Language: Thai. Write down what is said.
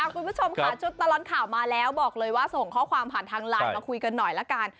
คุณผู้ชมค่ะชุดตลอดข่าวมาแล้วบอกเลยว่าส่งข้อความผ่านทางไลน์มาคุยกันหน่อยละกัน